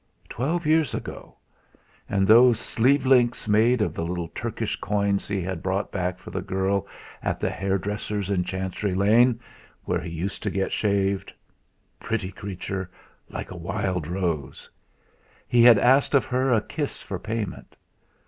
Twelve years ago! And those sleevelinks made of little Turkish coins he had brought back for the girl at the hairdresser's in Chancery Lane where he used to get shaved pretty creature, like a wild rose. He had asked of her a kiss for payment.